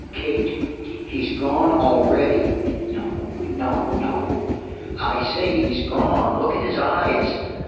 "Kate, he's gone already." "No, no, no!" "I say he's gone. Look at his eyes."